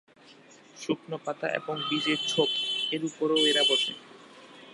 শুকনো পাতা এবং ভিজে ছোপ এর উপরও এরা বসে।